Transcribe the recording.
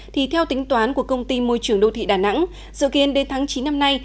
thì theo tính toán của công ty môi trường đô thị đà nẵng dự kiến đến tháng chín năm nay